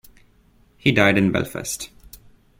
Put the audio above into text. He died in Belfast.